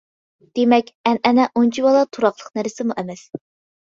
دېمەك، ئەنئەنە ئۇنچىۋالا تۇراقلىق نەرسىمۇ ئەمەس.